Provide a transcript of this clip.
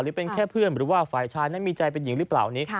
หรือเป็นแค่เพื่อนหรือว่าฝ่ายชายนั้นมีใจเป็นหญิงหรือเปล่านี้